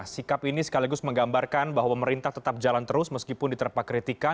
sikap ini sekaligus menggambarkan bahwa pemerintah tetap jalan terus meskipun diterpak kritikan